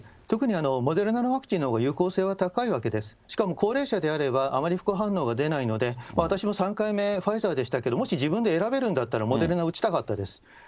特にモデルナのワクチンのほうが有効性が高いわけで、しかも高齢者であればあまり副反応が出ないので、私も３回目、ファイザーでしたけれども、もし自分で選べるんだったら、モデルナを打ちたかったです。